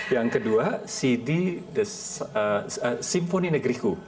yang kedua cd simfoni negriku